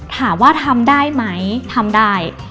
ถามว่าทำได้ไหมทำได้